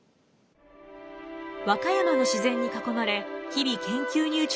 和歌山の自然に囲まれ日々研究に打ち込む熊楠。